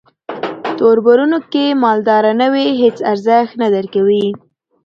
توربرونو کې چې مالداره نه وې هیس ارزښت نه درکوي.